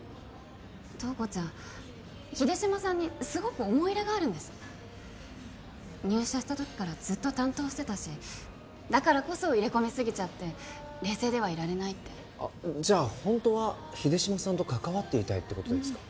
塔子ちゃん秀島さんにすごく思い入れがあるんです入社した時からずっと担当してたしだからこそ入れ込みすぎちゃって冷静ではいられないってあっじゃあホントは秀島さんと関わっていたいってことですか？